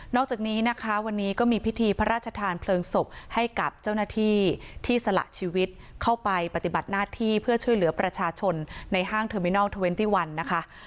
จากนี้นะคะวันนี้ก็มีพิธีพระราชทานเพลิงศพให้กับเจ้าหน้าที่ที่สละชีวิตเข้าไปปฏิบัติหน้าที่เพื่อช่วยเหลือประชาชนในห้างเทอร์มินอลเทอร์เวนตี้วันนะคะ